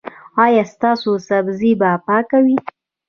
ایا ستاسو سبزي به پاکه وي؟